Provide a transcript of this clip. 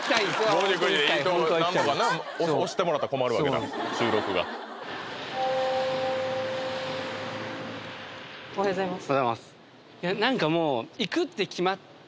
５時９時でなんとかな押してもらったら困るわけだ収録がおはようございます